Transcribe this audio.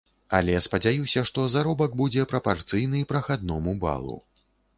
Але спадзяюся, што заробак будзе прапарцыйны прахадному балу.